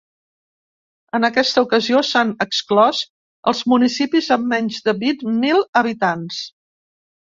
En aquesta ocasió, s’han exclòs els municipis amb menys de vint mil habitants.